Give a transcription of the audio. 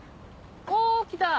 お来た！